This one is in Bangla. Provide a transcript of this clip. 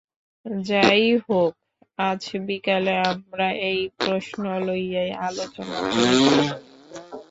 যাহাই হউক, আজ বিকালে আমরা এই প্রশ্ন লইয়াই আলোচনা করিতে চাই।